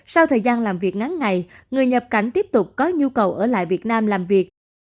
sau thời gian làm việc ngắn ngày người nhập cảnh tiếp tục có nhu cầu ở lại việt nam làm việc